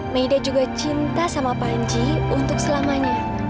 mayda juga cinta sama panji untuk selamanya